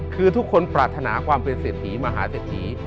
คือทุกคนปรารถนาความเป็นเศรษฐีมหาเศรษฐี